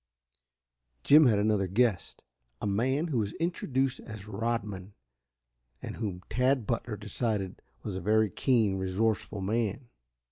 Jim had another guest, a man who was introduced as Rodman, and whom Tad Butler decided was a very keen, resourceful man.